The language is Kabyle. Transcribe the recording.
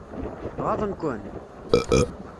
Ɣaḍen-ken?